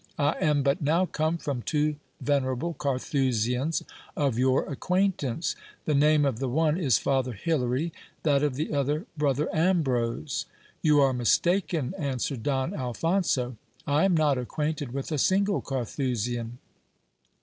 I am but now come from two venerable Carthusians of your acquaintance ; the name of the one is father Hilar)', that of the other, brother Ambrose. You are mistaken, answered Don Alphonso ; I am not acquainted with a single Carthusian.